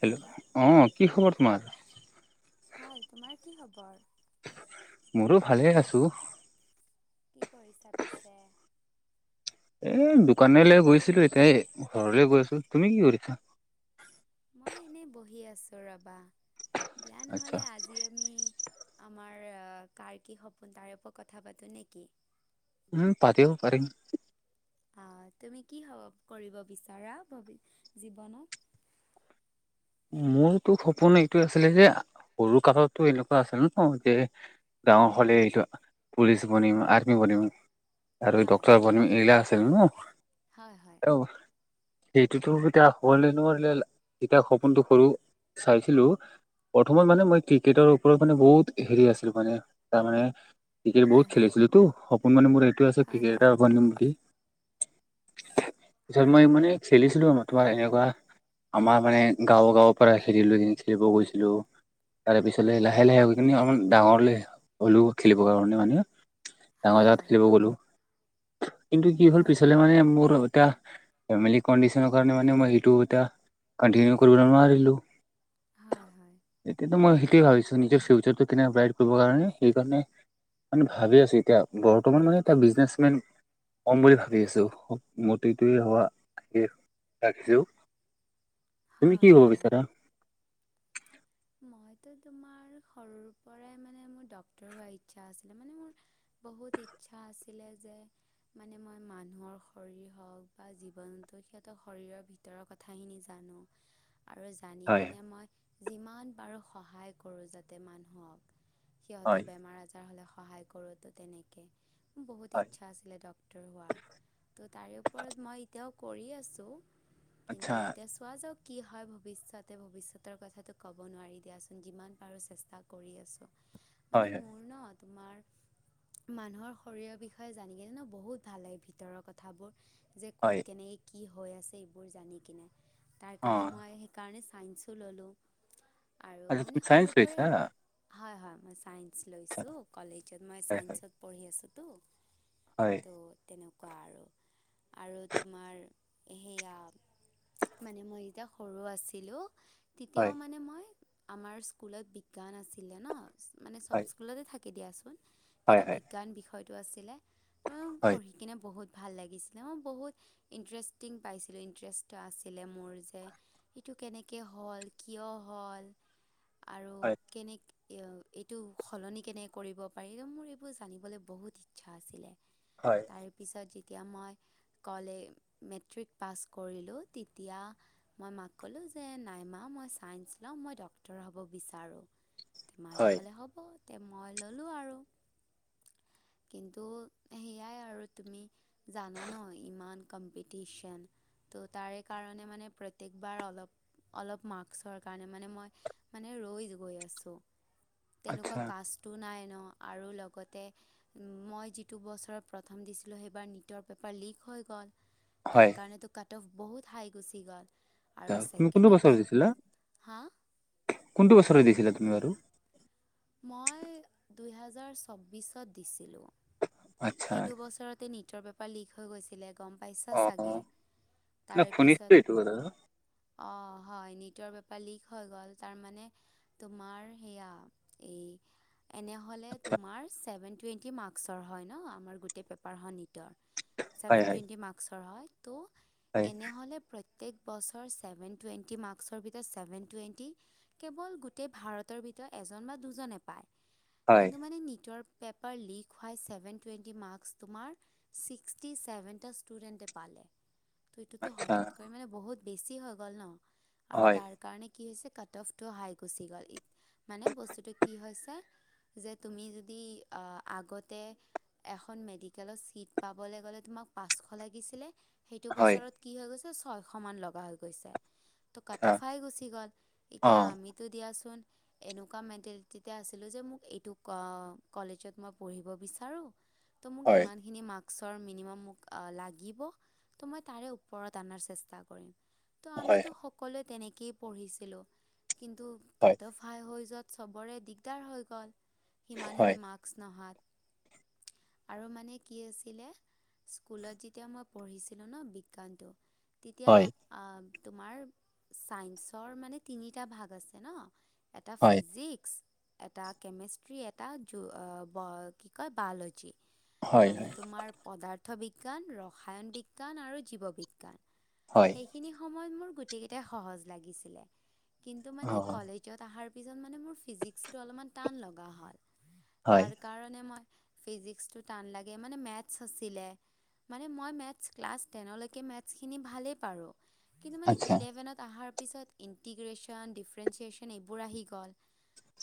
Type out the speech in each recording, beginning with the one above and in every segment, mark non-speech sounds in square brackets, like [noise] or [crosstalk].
Hello অঁ কি খবৰ তোমাৰ? ভাল। তোমাৰ কি খবৰ? মোৰো ভালে আছোঁ। কি কৰিছা পিছে? এ দোকানলৈ গৈছিলো এতিয়া এই ঘৰলে গৈ আছো। তুমি কি কৰিছা? মই এনেই বহি আছো ৰবা দিয়া আচ্ছা নহ'লে আজি আমি আমাৰ কাৰ কি সপোন তাৰে ওপৰত কথা পাতো নেকি উম পাতিব পাৰিম অঁ তুমি কি হ কৰিব বিচাৰা জীৱনত? [unintelligible] মোৰতো সপোন এইটোয়ে আছিলে যে সৰু কালতো এনেকুৱা আছিলে ন যে গাঁওৰ হ'লে এইটো পুলিচ বনিম আৰ্মি বনিম আৰু হয় ডক্তৰ ব এৰিলা আছে ন হয় হয়। সেইটোতো এতিয়া হোৱে নোৱাৰিলে এতিয়া সপোনটো সৰু চাইছিলো প্ৰথমত মানে মই ক্ৰিকেটৰ ওপৰত মানে বহুত হেৰি আছিলো মানে তাৰ মানে ক্ৰিকেট হয় বহুত হয় খেলিছিলো সপোন মানে মোৰ এইটোৱেই আছে হয় ক্ৰিকেট এটাপ বুলি পিছত মই হয় মানে খেলিছিলো আৰু তোমাৰ এনেকুৱা আমাৰ মানে গাঁৱ গাঁৱৰ পৰা খেল লো খেলিব গৈছিলো তাৰ পিছতে লাহে লাহে গ কিনে অলমান ডাঙৰলে হলো খেলিবৰ কাৰণে মানে ডাঙৰ হয় হয় জাত খেলিব গ'লো কিন্তু কি হ'ল হয় হয় পিছলে মানে মোৰ নৰ কাৰ মানে মই স ক কৰিব নোৱাৰিলো হয় হয় এতিয়াতো মই সেইটোৱে ভাবিছো নিজৰ ফিউচাৰটো তেনে ব্ৰাইট কৰিবৰ কাৰণে সেইকাৰণে মান ভাবি আছো এতিয়া বৰ্তমান মানে এটা বিজনেচমেন কম বুলি ভাবি আছো ম্তিটোৱে হোৱা ৰাখিছো [unintelligible] তুমি কি হব হয় বিচাৰা মইতো তোমাৰ সৰুৰ পৰাইৰ ডক্টৰ ম মোৰ বহুত ইচ্ছা আছিলে যে মানে মই মানুহৰ শৰীৰ হওঁক বা জীৱনু সিহঁতৰ শৰীৰৰ ভিতৰৰ কথাখিনি জান কন আৰু জানি হয় কিনে মই যিমান পাৰোঁ সহায় কৰোঁ যাতে মানুহক হয় সিহঁতৰ বেমাৰ আজাৰ হলে সহায় কৰোতো তেনেকে বহুত হয় ইচ্ছা আছিলে ড্ক্তৰ হোৱাৰ ত' তাৰে ওপৰত মই এতিয়াও কৰি আছোঁ কিন্তু আচ্ছা এতিয়া চোৱা যাও কি হয় ভৱিষ্যতে ভৱিষ্যতৰ কথাটো ক'ব নোৱাৰি দিয়াচোন যিমান পাৰোঁ চেষ্টা কৰি আছোঁ মানে মোৰনত তোমাৰ মানুহৰ শৰীৰৰ বিষয়ে জানিকেনে ন বহুত ভাল লাগে ভিতৰৰ কথাবোৰ যে ক'ত কেনেকৈ কি হৈ আছে এইবোৰ জানি কিনে তাৰ কাৰণে মই সেইকাৰণে সাইনছ লল আচ্ছা তুমি চাইন্স ৰিছা হয় হয় মই ছাইন্স লৈছোঁ কলেজত মই ছাইন্সত পঢ়ি আছোঁতো ত' তেনেকুৱা আৰু আৰু তোমাৰ সেয়া মানে মই যেতিয়া সৰু আছিলো এতিয়াও মানে মই আমাৰ স্কুলত বিজ্ঞান আছিলে ন মানে চব স্কুলতে থ দিয়াচোন যিটো বিজ্ঞান বিষয়টো আছিলে পঢ়ি কিনে বহুত ভাল লাগিছিলে মই বহুত ইণ্টাৰেষ্টিং পাইছিলোঁ ইণ্টাৰেষ্ট আছিলে মোৰ যে স কেনেকে হ'ল কিয় হ'ল আৰু কেনে এ এইটো সলনি কেনেক কৰিব পাৰি মোৰ এইবোৰ জানিবলৈ বহুত ইচ্ছা আছিলে তাই পিছত হি তেতিয়া মই কলে মেট্ৰিক পাছ কৰিলোঁ তেতিয়া মই মাকলো যে নাই মা মই ছাইন্স ল'ম মই ডক্তৰ হ'ব বিচাৰোঁ মায়ে ক'লে হ'ব মই ললো আৰু কিন্তু সেয়াই আৰু তুমি জানা ন ইমান কম্পিটিশ্যন ত' তাৰে কাৰণে মানে প্ৰত্যেকবাৰ অলপ অলপ মাক কাৰে মানে মই মানে ৰৈ গৈ আছো তেনেকুৱা কাছ টো নাই আৰু লগতে মই যিটো বছৰত প্ৰথম দিছিলোঁ সেইবাৰ নীটৰ পেপাৰ লিক হৈ গ'ল তাৰ হয়। কাৰণ তো কাট অফ বহুত হাই গুচি গ'ল আৰু তুমি ছেকেণ্ড কোনটো বছৰে এটেম্প দিছিলা হা কোনটো বছৰেলৈ দিছিলা তুমি বাৰু মই দুহেজাৰ চৌবিশত দিছিলোঁ। আচ্ছা। সেইটো বছৰতে নিটৰ পেপাৰ লীক হৈ গৈছিলে। গম পাইছ চাগে অ', না তাৰে শুনিছো পিছত এইটো কথা। অঁ। হয় নেটৰ বেপাৰ লিক হৈ গ'ল তাৰমানে তোমাৰ সেয়া এই এনেহলে আচ্ছা, তোমাৰ চছেভেন টুৱেণ্টি মাৰ্কচৰ হয় ন আমাৰ গোটেই পেপাৰ হ ট হয় চেভেন হয়। টুৱেন্টি মাৰ্কৰ হয় টো হয়, এনেহলে পত্য প্ৰত্যেক বছৰ ছেভেন টুৱেণ্টি মাৰ্কসৰ ভিতৰত চেভেন টুৱেণ্টি কেৱল গোটেই ভাৰতৰ ভিত ত এজন বা দুজনে পাই হয়। কিন্ত মানে নিত্য পেপাৰ লিক হোৱাই চেভেন টুৱেন্টি মাৰ্ক তোমাৰ চিশটি চেভেন টা ষ্টুডেণ্টে পালে। ত এইটোতো আচ্ছা, হঠাৎকৈ মানে বহুত বেছি হৈ গ'ল ন আৰু হয়, তাৰ কাৰণে কি হৈছে কাট অফটো হাই গুচি গ'ল। মানে বস্তুটো কি হৈছে যে তুমি যদি আহ আগতে এখন মেডিকেলত চিট পাবলৈ গলে তুমাক পাঁচশ লাগিছিলে সেইটো হয়। বছৰত কি হৈ ছয়শ মান লগা হৈ গৈছে। ত আচ্ছা, কটোফাই গুচি গ'ল এতিয়া অ', আমিতো দিয়াচোন। এনেকুৱা মেন্তেলিটিতে আ ছিলো যে মোক এই টো কলেজট। মই পঢ়িব বিচাৰো। ত মোক হয়, ইমান খিনি মাক সৰ মিনিমাম মোক লাগিব ত' মই তাৰে ওপৰত অনাৰ চেষ্টা কৰিম। ত' হয়, আমিতো সকলোৱে তেনেকেই পঢ়িছিলো কিন্তু হয়, কাটফাই হৈ যত চবৰে দিগদাৰ হৈ গ'ল হয়, সিমানখিনি মাস্ক নহাত আৰু মানে কি আছিলে। স্কুলত যেতিয়া মই পঢ়িছিলো ন বিজ্ঞানটো। তেতিয়া হয়, তোমাৰ চাইন্সৰ মানে তিনিটা ভাগ আছে ন। এটা হয়, ফিজিক্স এটা কেমেষ্ট্ৰি এটা যো ৱ কি কয়? বায়লজি হয়, মানে তোমাৰ পদাৰ্থ অৰ্থ বিজ্ঞান ৰসায়ন বিজ্ঞান আৰু জীৱ বিজ্ঞান হয়, হয়, সেইখিনি সময়ত মোৰ গোটেই কেইটাই সহজ লাগিছিলে কিন্ত মানে অ', কলেজ আহাৰ তাৰপিছত মানে মোৰ ফিজিক্সটো অলপমান টান লগা হ'ল হয়। তাৰ কাৰণে মই ফিজিক্সটো টান লাগে মানে মেথছ আছিলে মানে মই মেৰ্চ ক্লাছ টেনৰলৈকে মেৰ্চখিনি ভালে পাৰু কিন্তু মানে আচ্ছা, ইলেভেনত অহাৰ তাৰপিছত ইণ্টিগ্ৰেশ্যন ডিফ্ৰঞ্চিয়েচন এইবোৰ আহি গ'ল।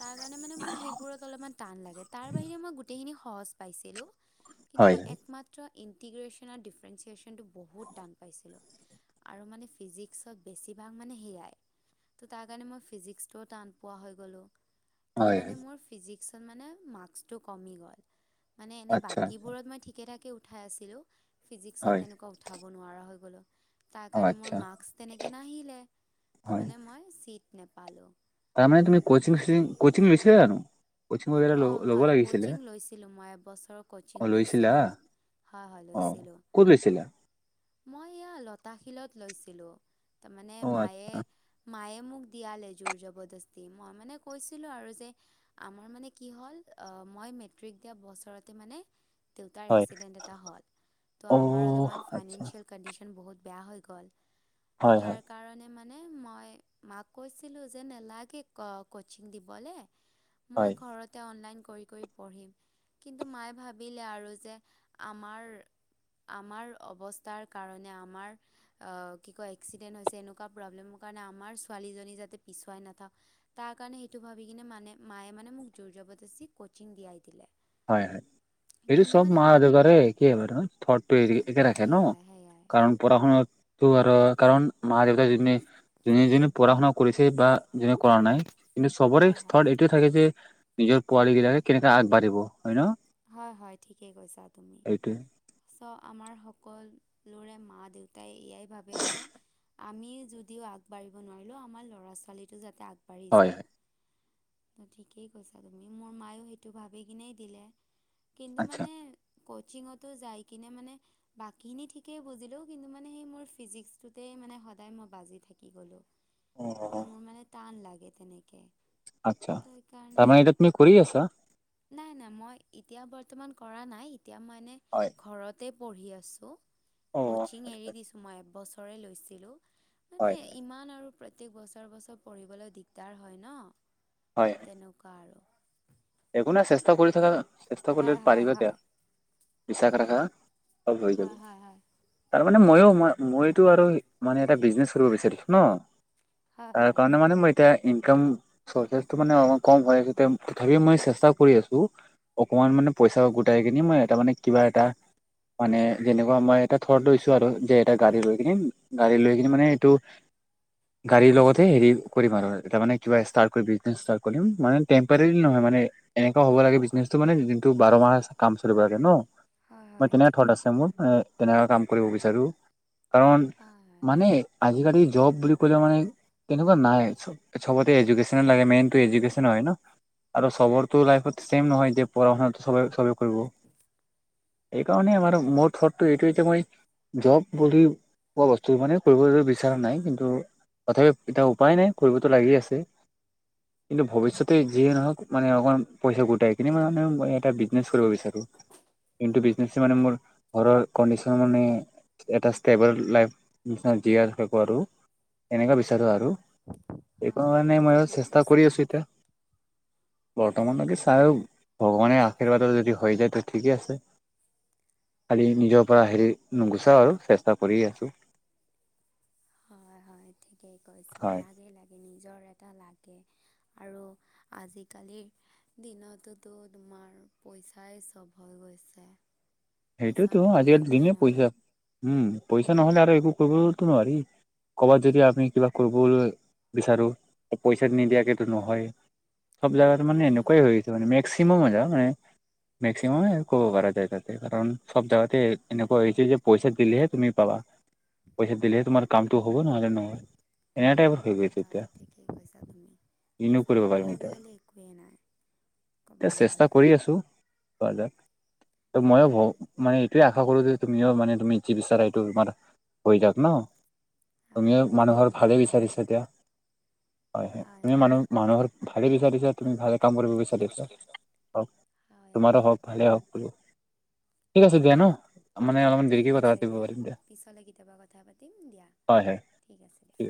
তাৰ কাৰণে মানে মোৰ সেইবোৰত অলপমান টান লাগ তাৰ বাহিৰে মই গোটেই খিনি। সহজ পাইছিলোঁ কিন্তু হয়, মই একমাত্ৰ ইণ্টিগ্ৰেশ্যন আৰু ডিফাৰেঞ্চিয়েচনটো বহুত টান পাইছিলোঁ। আৰু মানে ফিজিক্সত বেছিভাগ মানে হেয়াই ত তাৰ কাৰণ মই ফিজিক টান পোৱা হৈ গলো। ত হয়, হয়। মানে মোৰ ফিক্সত মানে মাস্ক টো কমি গ'ল। মানে এনেই আচ্ছা, আচ্ছা, বাকীবোৰত মই ঠিকে ঠাকে উঠাই আছিলোঁ ফিজিক্সত হয়, তেনেকুৱা উঠাব নোৱাৰা হৈ গ'লোঁ। তাৰ অ', কাৰণে মোৰ আচ্ছা, মাক্স তেনেকৈ নাহিলে তো হয়। মানে মই চিট নেপালোঁ। মে তুমি কি লিছিলে জানো? কচিং বগেৰা ল অ ল'ব হয়ি লাগিছিলে ল ক'চিং অ লৈছিলা লৈছিলোঁ হয় হয় অ লৈছিলোঁ। ক'ত লৈছিলা? মই এয়া লতাশিলত লৈছিলো তাৰ মানে অ মায়ে আচ্ছা মায়ে মোক দোৰ জস্তি মই মানে কৈছিলো আৰু যে আমাৰ মানে কি হ'ল? মই মেট্ৰিক দিয়া বছৰতে মানে দেউতাৰ হয় এক্সিডেন্ট এটা হ'ল ত' অ আমাৰ অলপমান ফাইনে আচ্ছা বহুত বেয়া হৈ গল হয় হয় তাৰ কাৰণে মই মানে মই মাক কৈছিলো যে নেলাগে কচিং দিবলৈ মই হয় ঘৰতে অনলাইন পঢ়িম কিন্তু মায়ে ভাবিলে আৰু যে আমাৰ আমাৰ অৱস্থা কাৰণ আমাৰ কি কয় অ এক্সিডেন্ হৈছে, এনেকুৱা প্ৰব্লেমৰ কাৰণে আমাৰ ছোৱালী তাতে পিছুৱাই নাথওঁ তাৰ কাৰণে সেইটো ভাবি কিনে মানে মায়ে মানে মোক জোৰ জবৰদস্তি কোচিং দিয়াই দিলে। হয় হয় এইটো কিন্তু চব মানে মা যোগাৰে একেই হয় ন থত। হেৰি একে ৰাখে ন সেয়াই সেয়াই কাৰণ পঢ়া শুনাতটো আৰু কাৰণ মা দেউতা যি যোনে যোনে পঢ়া শুনা কৰিছে বা যোনে কৰা নাই কিন্তু চবৰে হয় হয় স্থত এইটোৱে থাকে যে নিজৰ পোৱালী বিলাকে কেনেকে আগবাঢ়িব হয় ন? হয় হয় ঠিকে কৈছা তুমি। এইটোৱে আমাৰ সকলোৰে মা দেউতাই এয়াই ভাবে যে আমি যদিও আগবাঢ়িব নোৱাৰিলোও আমাৰ ল'ৰা ছোৱালীটো যাতে আগবাঢ়ি হয় হয় যাওঁক। ত ঠিকেই কৈছা তুমি মোৰ মায়ও সেইটো ভাবি কিনে দিলে কিন্তু আচ্ছা মানে কচিনংটো যাই কিনে মানে বাকীখিনি থিকেই বুজিলো কিন্তু মানে সেই মোৰ ফিজিক্স তোহে মানে সদায় মই বাজি থাকি গলো অ ত' মোৰ মানে টান লাগে তেনেকে। আচ্ছা তো সেইকাৰণে তাৰমানে এতিয়া তুমি কৰি আছা? নাই নাই মই এতিয়া বৰ্তমান কৰা নাই এতিয়া মানে হয় ঘৰতে পঢ়ি আছো। অ কচিং এৰি আচ্ছা, দিছো মই এবছৰে লৈছিলো হয় মানে ইমান আৰু প্ৰত্যেক বছৰ বছৰ পঢ়িবলৈ দিগদাৰ হয় ন হয় তেনেকুৱা আৰু। একো না চেষ্টা কৰি থাককা চেষ্টা কৰিলে হয় হয় পাৰিবা দিয়া হয়। বিশ্বাস ৰাখা। অঁ হৈ যাব হয় হয় হয় তাৰ মানে মইো মই মইতো আৰু মানে এটা বিজনেচ কৰিব বিচাৰিছো ন, হয় তাৰ হয় কাৰণে মানে মই এতিয়া ইনকাম [inaudible] অলপ কম হয়, তথাপিও মই চেষ্টা কৰি আছো, অকমান মানে পইচা গোটাই কিনি মই এটা মানে কিবা এটা মানে যেনেকুৱা মই এটা থৰ্ট লৈছোঁ আৰু যে এটা গাড়ী লৈ কিনি গাড়ী লৈ কিনি মানে এইটো গাড়ীৰ লগতহে হেৰি কৰিম আৰু মানে কিবা ষ্টাৰ কৰি বিজনেচ ষ্টাৰ্ট কৰিম মানে টেম্পৰী নহয় মানে এনেকুৱা হ'ব লাগে বিজনেছতটো মানে দিনটো বাৰ মাহ কাম চলিব লাগে ন হয় ম হয় তেনে থট ঠিকেই আছে কৈছা মোৰ তেনেকুৱা কাম কৰিব বিচাৰো। কাৰণ হয় হয়। মানে আজিকালিৰ জব বুলি ক'লেও মানে তেনেকুৱা নাই, চবতে এডুকেশ্যনে লাগে মেইনটো এডুকেশ্যন হয় ন? আৰু চবৰটো লাইফত ছেম নহয় যে পঢ় শুনাতো চবেবে চবে সেইকাৰণে হয় হয় মোৰ হয় থটটো এইটো যে মই জব বুলি কোৱা বস্তু মানে কৰিবলৈ বিচৰা নাই, কিন্তু তথাপি এতিয়া উপায় নাই কৰিবতো লাগি আছে। কিন্তু হয় ভৱিষ্যতে যিয়ে নহওক মানে অকণ পইচা গোটাই কিনে মই মানে ম এটা বিজনেছ কৰিব বিচাৰো। কিন্তু বিজনেছে মানে মোৰ ঘৰৰ কডিচন মানে এটা ষ্টেবল লাই জিয়াই থাকো আৰু এনেকুৱা বিচাৰো আৰু। সেই হয় কাৰণে হয় মই ঠিকেই চেষ্টা কৈছা কৰি আছো এতিয়া। হয়। চ ভগৱানৰ আশীৰ্বাদৰ যদি হৈ যায় ত ঠিকেই আছে। খালি নিজৰ পৰা হেৰি নুগুচাওঁ আৰু চেষ্টা কৰি আছো। হয় হয় ঠিকেই কৈছা হয় লাগে লাগে নিজৰ লাগে আৰু আজিকালিৰ দিনতো তো তোমাৰ প পইচাই চব হৈ গৈছে। পইচা সেইটোতো নহ'লে আজিকালি একোৱেই দিনে পইচা, নহয়। উম পইচা নহলে আৰু একো কৰিবতো নোৱাৰি। ক'ৰবাত যদি সেইটো আমি কিবা কৰিব বিচাৰোঁ পইচা নিদিয়াকে তো নহয়। চব জাগাতো মানে হয় এনেকুৱাই হয় হৈ গৈছে মানে মেক্সিমাম হৈ য মানে মেক্সিমাম কব পৰা যায় তাত। কাৰণ চব জোগাতে হয় এনেকুৱা হৈছে হয় যে পইচা দিলেহে তুমি পাবা পইচা দিলেহে তোমাৰ কামটো হ'ব নহলে নহয়। এনে টাইপৰ হৈ হয় গৈছে হয় এতিয়া ঠিকেই কৈছা তুমি। কিনো পইচা কৰিব নহ'লে পাৰিম এতিয়া আজিকালি একোৱেই নাই। এতিয়া ক'বলৈ চেষ্টা গ'লে কৰি হয় আছো ত ময়ো ভ হয় মানে এইটোয়ে আশা কৰো যে তুমিও মানে তুমি যি বিচাৰা এইটো তোমাৰ হৈ যাওক নহ হয় তুমিও হয় মানুহৰ ধন্যবাদ ভালেই বিচাৰিছা ধন্যবাদ এতিয়া, হয় হয় তুমি মানুহ মানুহৰ ভালেই বিচাৰিছা তুমি ভালে কাম কৰিব বিচাৰিছা, হওক হয় তোমাৰো হয় হওক ভালেই হওক, বো ঠিক আছে দিয়া ন অ মানে অ অলপমান ঠিক দেৰিকে কথা আছে পাতিব দিয়া পাৰিম পিছ কেতিয়াবা কথা পাতিম দিয়া। হয় হয় ঠিক আছে দিয়া।